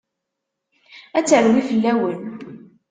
Ad terwi fell-awen.